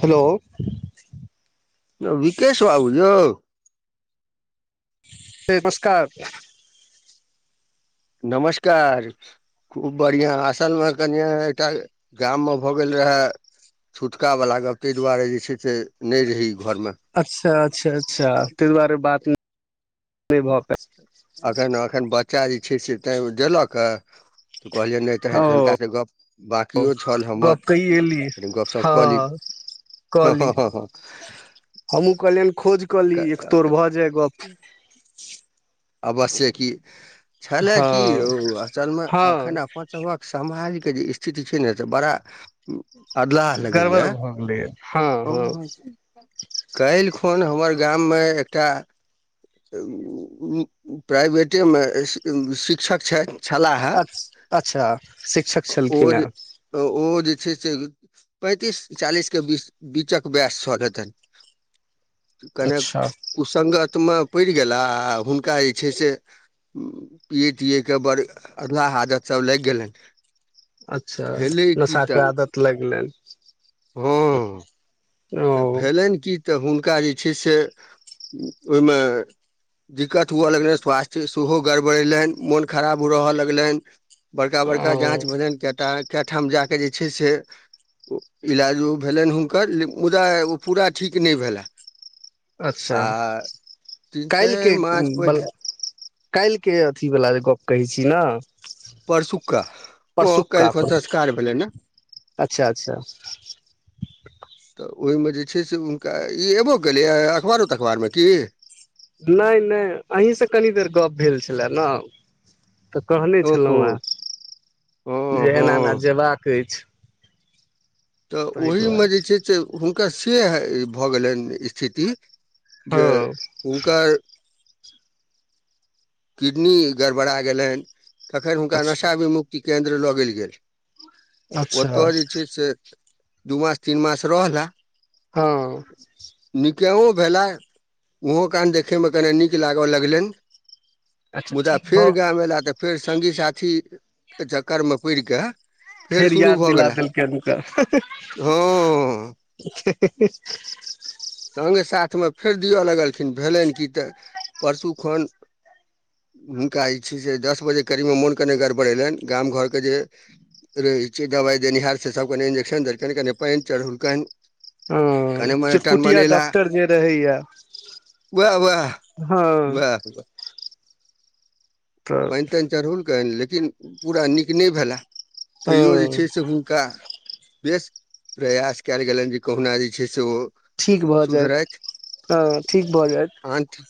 Hello. Vikesh बाबू यौ। ह नमस्कार। नमस्कार। खूब बढ़िया आसल मे कनि एकटा गाम मे भऽ गेल रहै। छुटकावला गप ताहि दुआरे जे छै से नहि रही ई घरमे। अच्छा अच्छा अच्छा तहि दुआरे बात नहि भऽ पैल। एखन एखन बच्चा जे छै से तैँ देलक ह तऽ कहलियै नहि। पायल तखन तऽ ओ हिनकासँ गप्प बाकिओ छल हमर गप कहि एली कनि गपशप कऽ ली। हँ हं कहली हं‌ हं हं। हमहूँ कहलियैन खोज कऽ ली एक तोर भऽ जाय गप। अवश्य की छलै कि यौ हँ असलमे हँ एखन अपन। सभक समाजके जे स्थिति छै ने से बड़ा। अदलाह लगैया। गड़बड़ भऽ गेलै हँ हँ काल्हि खन हमर गाममे एकटा। प्राइभेटेमे शिक्षक छथ। अ अच्छा शिक्षक छलखिन हेँ। तऽ ओ जे छै से। पैंतीस चालीस के बीच बीचक वैस छल हेतैन। कनेक अच्छा कुसंगत मे पड़ि गेला आ हु। हुनका जे छै से पियए तियए के बड़ अधला हादत सब लागि गेलैन। अच्छा नशा के आदत लाइग गेलैन। हँ तऽ भेलैन कि तऽ हुनका जे छै से ओहिमे। दिक्कत हुअ लगलैन स्वास्थ्य सेहो गड़बड़ेलैन मोन खराब रहै लगलैन। बड़का बड़का ओ जाँच भेलैन केटा। कए ठाम जााकऽ जे छै से इलाज ओ भेलैन हुनकर। मुदा ओ पूरा ठीक नहि भेलै। अच्छा तीन चारि काल्हिके मास पहि बला। काल्हिके अथी वला जे गप कहै छी न। परसुका ओ काल्हिखन परसु संस्कार भेलैन। [inaudible] अच्छा अच्छा तऽ ओहिमे जे छै से हुनका ई एबो केलैए अखबारो त अखबारमे की। नहि नहि अहीँसँ कनी देर गप्प भेल छलै न। तऽ कहने ओहो छलहुँ हेँ हँ जे एना- एना हँ जेबाक अछि। तऽ ताहि ओहीमे दुआरे जे छै से हुनका से भऽ गेलैन स्थिति। जे हँ हुनकर। किडनी गड़बड़ा गेलैन तखन हुनका अच्छा नशा भी मुुक्त। केन्द्र लऽ गेल गेलयैन अच्छा ओतअ जे छै से। दू मास, तीन मास रहला हां। निकैओ भेला मुंहो कान देखय मे कनै नीक लागय लगलैन अच्छा मुदा ठीक फेर भऽ गाम ऐला तऽ फेर संगी साथी के चक्कर मे पड़ कै फेर शुरू याद भऽ दिला गेला, देलकै हुनकर हां। है है है संगे साथ मे फेर दिअ लगलखिन्ह भेलैन की तऽ परसू खन हुनका जे छै से दस बजे करीब मे मोन कने गड़बड़े लैन गाम घर के जे रह छै दवाय देनिहार से सब कनै इंजेक्शन देलकैन कनै पैन चढ़ौलकैन औ चुट-पुट टिया डॉक्टर जे रहय यै वाह वाह हां [unintelligible] तऽ पैन-तैन चढ़ौलकैन लेकिन पूरा नीक नै भेलाह तैयो जे हँ छै से हुनका बेस प्रयास कैल गैलेन जे कोहना जे छै से ओ ठीक भऽ जाएत, हां ठीक भऽ जाएत आनठा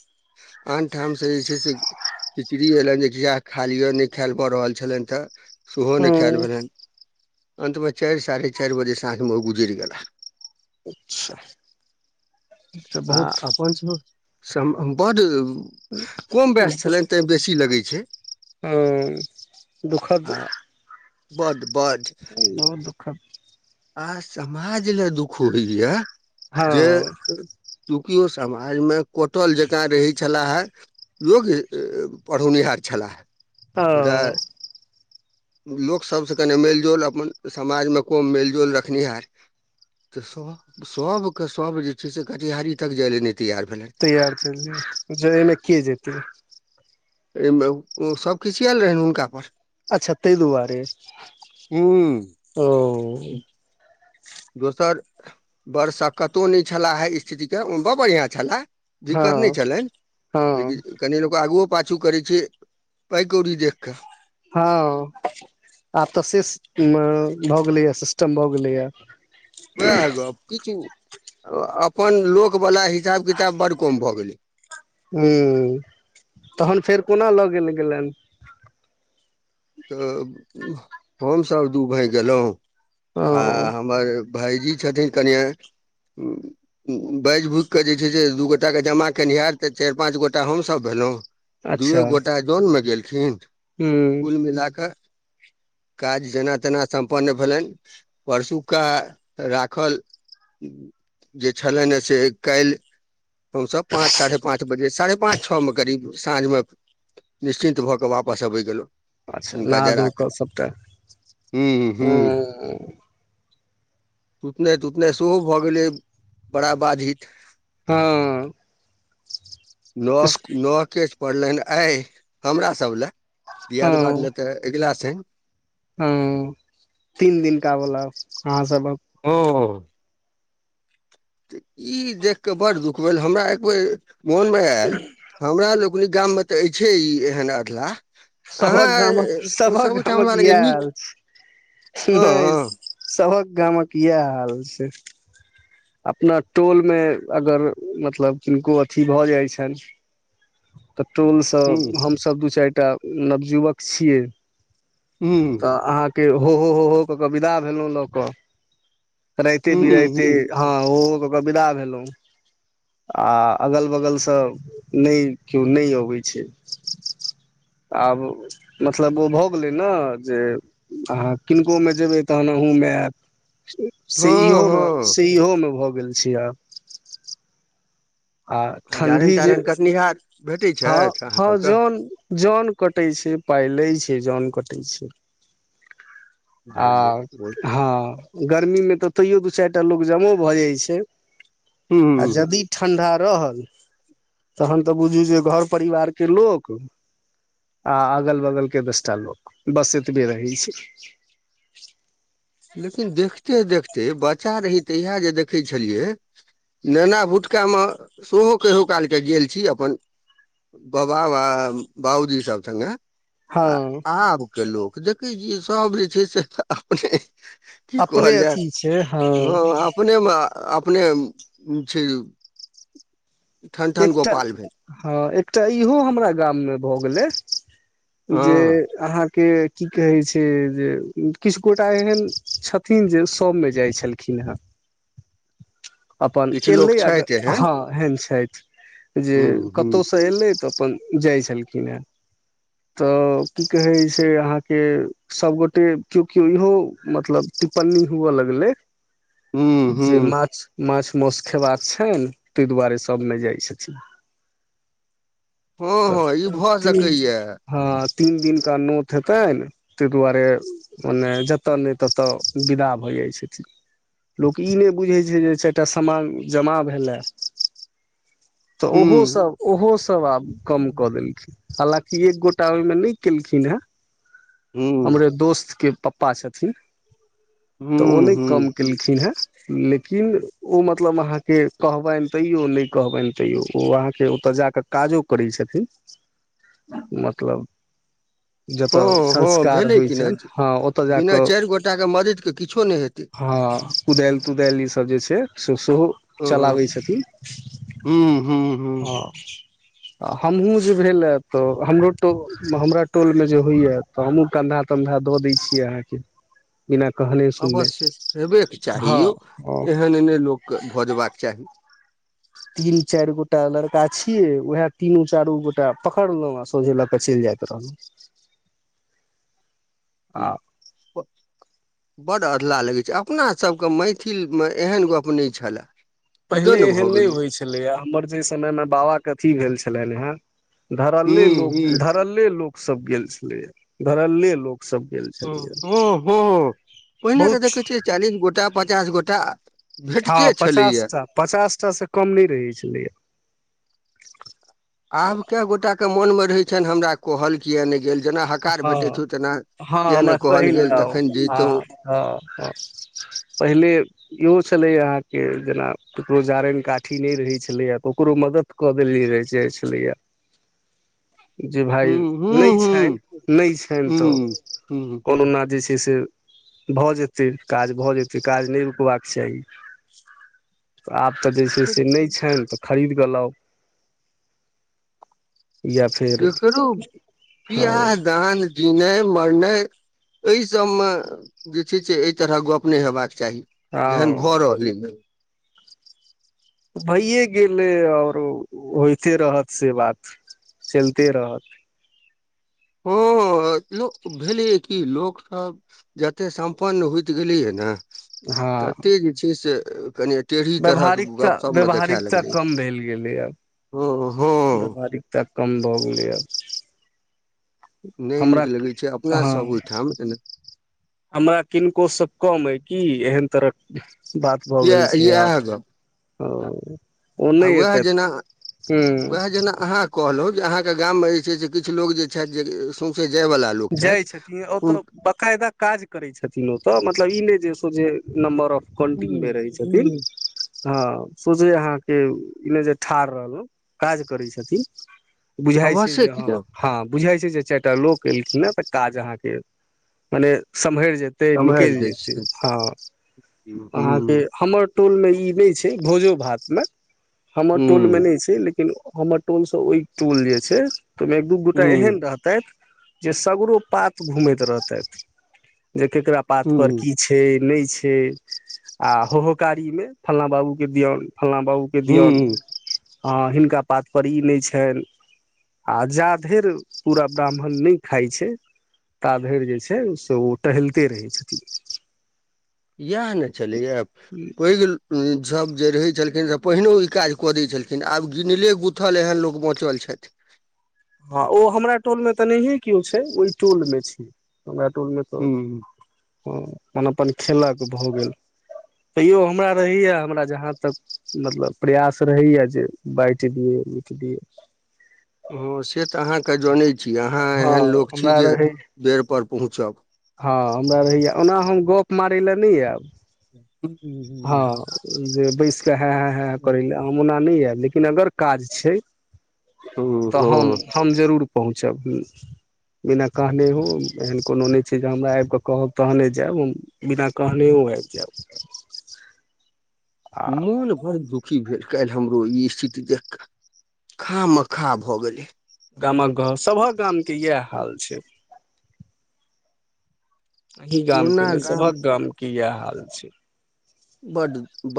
आनठाम से जे छै से खिचड़ी ऐलैन जे जे यैह खा लिअ नै खाएल भ रहल छलैन तऽ सेहो नै खैल हँ भेलैन। अन्तमे चाएर साढ़े चाएर बजे साँझ मे ओ गुजैर गेलाह। तऽ बहुत आब पंच में सम अम बड उम्म कम [unintelligible] छलैन तै बेसी लगै छै। आं दुःखद आ बड्ड बड्ड बहुत दुःखद आ समाज लै दुख होय यै हँ जे ए चूँकि ओ समाज मे कटल जकाँ रहै छलाह। योग्य ए-ए पढ़ौनिहार छलाह। औ लोक सबसे कने मेल-जोल अपन समाज मे कम मेल-जोल रखनिहार तै सब सबके सब जे छै से कटिहारी तक जाय लै नै तैयार भेलय तैयार करलिए जे ऐ मे के जेतय? ऐ मे उ सब खिसयैल रहैन हुनका पर अच्छा तै दुआरे? हूँ। औ दोसर बरसकत्तो नै छलाह हें स्थितिके बड़ बढ़िया छलाह। हँ दिक्कत नै छलैन हँ लेकिन कनि लोक आगुवो पाछू करै छै पाइ कौड़ी देख कै हां आब तऽ सिस मे भऽ गेलय यै सिस्टम भऽ गेलै यै। वैह गप [unintelligible] अपन लोक बला हिसाब-किताब बड कम भऽ गेलै हुं तहन फेर कोना लऽ गेल गेलैन तब हमसब दू भाय गेलौ आ ओ हमर भायजी छथिन कनिए उम्म उम्म बाएज भूक के जे छै से दू गोटा के जमा केनिहार तै चाएर पांच गोटा हम सब भेलौं दूए गोटा जोन मे गेलखिन्ह हूं। मिला कै काज जेना-तेना सम्पन्न भेलैन परसूका राखल। जे छलनि ह से काल्हि, हमस पाँच साढ़े पाँच सात बजे, साढ़े पाँच छ में करीब साँझ मे निश्चिन्त भऽ कऽ वापस अबै गेलहुँ। अच्छा हुनका नहा जरा धो कऽ सभटा हू- हू। हूँ सुतनाइ- तुतनाइ सेहो भऽ गेलै बड़ा बाधित। हँ। नह- नहकेस पड़लैन आइ हमरा सब लए। दियाद- बाद ले तऽ अगिला सैन। हंऽ तीन दिन का बला अहाँ सबहक ओ। ई देख के बड़ दुख भेल, हमरा एक बेेर मोन मे आयल, हमरा लोक पूरे गाम मे तऽ अइछे ई एहन अधलाह। सभक गामक अहाँ सब उठाम हमरा लैगैया नीक। हँ नै सबहक गामक इएह हाल छै। अपना टोल मे अगर मतलब, किनको अथी भऽ जाइ छैन [inaudible] तऽ टोलसँ हूं हमसब दू- चारि टा नवजुवक छियै। हूं। तऽ अहाँके हो- हो -हो -हो कऽ के विदा भेलहु लऽ कऽ, राइते हूं बिराइते। हूं हँ हो- हो कऽ के विदा भेलहुं। आ अगल बगल सऽ नै कीयो नै अबै छै। आब मतलब ओ भऽ गेलै ने जे अहाँ किनको में जेबै, तहन अहूँमे आयत। से हँ इहो में हँ से इहो में भऽ गेल छै आब। आ जारनि ठण्डी जे तारनि कटनिहार भेटै हँ- छथि अहाँ हँ सबके जाॅन- जाॅन कटै छै, पाइ लै छै, जाॅन कटै छै। आ भेलै हँ गर्मी में तऽ तइयो दू- चारि टा लोक जम भऽ जाइत छै। आ हूं जदि ठंडा रहल तहन तऽ बुझू जे, घर परिवार के लोक आ अगल- बगल के दस टा लोक, बस एतबे रहै छै। लेकिन देखते- देखते बच्चा रही तहिया जे, देखै छलियै नेना भुटका मे सेहो कहियो कालके गेल छी अपन बाबा आ बाबू जी सब संगे। हँ आ आब के लोक देखै छियै सभ जे छै से अपने की अपने कहल जाय, अथी छै हँ अपने मे अपने छै उ एकटा भेल हॅं इहो हमरा गाम में भऽ गेलै जे हँ अहां के की कहे छै जे, किछ गोटा एहन छथिन जे सब में जाय छलखिन। खीन हऽ। अपन किछु लोक एलै आ छथि एहन हँ एहन छाइथ। जे हूँ हूँ कतहुसँ एयलै, तऽ अपन जाइ छलखिन हे। तऽ की कहै छै अहाँ के सब गोटे क्यओ - क्योओ इहो मतलब, टिप्पनी हुअऽ लगलै हूँ जे हूँ माछ- माछ- मौस खेबाक छइन तैं, दुआरे सब में जाइ [unintelligible] तऽ हँ हँ ई भऽ ती सकैया हँ तीन दिननका नोत हेतैन। ताहि दुआरे मने जतय नहि ततय विदा भऽ जाइत छथि। लोक ई नहि बुझै छै जे चारि टा सामान जमा भेलै। तऽ हूँ ओहोसभ ओहोसभ आब कम हूँ कऽ देलखिन। हलाकि एक गोटा ओहिमे नहि केलखिन हे हमरे दोस्त के पा प्पा छलखिन त ओ हूँ न हूँ कम केलखिन हे लेकिन ओ मतलब अहाँके कहबनि तैयो नहि कहबनि तैयो ओ अहाँके ओतऽ जा कऽ काजो करै छथिन मतलब जतय हँ हँ संस्कार भेलै होइ कि ने छनि हँ ओतय जा बिना कऽ चारि गोटाके मदतिके किछो नहि हेतै हँ कुदालि तुदल ई सब जे छै से सेहो चलाबै छथिन। हू-हू-हू आ हमहहुँ जे भेल ह तऽ हमरोटो हमरा टोल में जे होइए। तऽ हमहुँ कन्धा तन्धा दऽ दै छियै अहाँके। बिना कहनेे। अवश्य हेबेके चाही यौ हँ एहन ए नहि लोक के भजबाक चाही। तीन चारि गोटा लड़का छियै उएह तीनू चारू गोटा पकड़लहुँ आ सोझे लऽ क चलि जाइत रहलहुँ। ह आ प बड्ड अललाह लगै छै अपनासभ के मैथिलमे एहन गप्प नहि छलए। पहिले किदन भऽ एहन नहि गेलै होइत छलैए हमर जेहि समय मे बाबाके अथी भेल छलनि हे। हूँ धरल्ले हूँ लोक धरल्ले लोक सब गेल छले धरल्ले लोक सब गेल। छलैए हो-हो-हो पहिने बहुत तऽ देखै छियै चालीस गोटा पचास गोटा अ। भेटते छलैया। पचासटासँ कम नहि रहै छलैय। आब केए गोटा के मोन मे रहे छनि हमरा कहल किया ने गेल। जेना हकार भेटे हँ छौ तेना हँ किया ने कहल गेल तखैन जैतौ। [unintelligible] हँ-हँ [unintelligible] पहिले। इहो छलैए अहाँ के जेना ककरो जारनि काठी नहि रहे छलैया त ओकरो मदद। कदेली रहै छै छलैया। जे भाय हूँ नहि हूँ छनि नहि छनि तऽ हूँ हूँ हूँ कोनो ना जे छै। से भऽ जेतै काज, भऽ जेतै काज नहि रुकबाक चाही। आब तऽ जे छै से नहि छनि तऽ खरीद कऽ लाउ [unintelligible] या फ केकरो बियाह दान जिनाइ मरनाइ एहि सबमे जे छै से एहि तरह गप नहि हेबाक चाही एहन हँ भऽ रहलै अइ। भइए गेलऐ आओर ओ होइते रहत से बात। चलिते रहत। हँ-हँ लोक भेलै कि लोकसभ। जते सम्पन्न होइत गेलैये ने हँ तते जे छै से कनिए टेढ़ी तरह के व्यावहारिकता गपशप मे देखा व्यावहारिकता लगलेए कम भेल गेलै आब [unintelligible] व्यावहारिकता कम भऽ गेलै आब। नहि हमरा नीक के लगै छै अपना सब हँ। [unintelligible] ओहिठाम हमरा किनको स कम अइ की एहन तरहक बात भऽ गेल इएह छै इएह गप आब। ओ आ ओनै उएह एतैथ हूँ। कहलों जे अहाँके गाम में जे छै से किछ लोक जे छैथ जे सोंसे जाय वला। जाइ छथिन ओ तऽ बकायदा। काज करै छथिन ओतऽ मतलब ई नै जे सोझे नम्बर ऑफ काउंटिंगमे रहै छथिन। हँ सोझे अहाँके इनइजे ठाढ़ रहलहुँ काज करै छथिन। बुझाई छै अवश्ये जे हँ किया हँ बुझाई छै जे चैर टा लोक। केलखिन हँ तऽ काज अहाँके मने समहैर जेत तै सम्हारि निकैल दै जेतै छथिन हँ अहाँके हूँ हमर टोलमे ई नै छै भोजो भातमे, हमर टोलमे हूँ नै छै लेकिन हमर टोल स ओइ टोल जे छै, तै मे एक दू गोटा एहन हूँ रहतैथ जे सगरो पात घुमैत रहतैथि जे केकरा पात पर हूँ की छै नैय छै आ होहोकारीमे फल्लाँ बाबूके दियौन फल्लाँ बाबू के दियौन हूँ हँ हिनका पात पर ई नेय छैन आ जा धेर पूरा ब्राह्मण नैय खाइ छै ता धैर जे छै से ओ टहलते रहै छथिन। येह न छलैए पैघ ल झब जे रहै छलखिन से पहिनो ई काज कऽ दै छलखिन आब गिनले गुथल एहन लोक बँचल छैथ। हँ ओ हमरा टोल मे तऽ नहिए किओ छै, ओहि टोल मे छै हमरा टोल मे। तऽ हूँ हँ अपन -अपन खेलक भऽ गेल। तैयो हमरा रहैया, हमरा जहाँ तक मतलब प्रयास रहैया जे बाँटि दियै बुटि दियए। हँ से तऽ अहाँके जनै छी, अहाँ हँ एहन लोक छी हमरा जे रहै बेर पर पहुँचब। हँ हमरा रहैया ओना हम गप मारै लए नै ऐब। [unintelligible] हँ जे बैस के है -है -है करै लए हम ओना नै ऐब, लेकिन अगर काज छैय तऽ हम- हँ हम जरूर पहुँचब। बिना कहने हो एहन कोनो नै छै जे हमरा आइब कऽ कहब तहने जैब हम। बिना कहनेयों आइब जैब। मोन भर झुक की भेल काल्हि हमरो ई स्थिति देखका, खामखा भऽ गेलै। गामक घर सबहक गामके यैह हाल छैय। अहीं गाम के ने सभहक गाम के यैह हाल छै। बड बड [unintelligible]